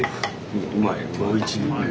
うまい。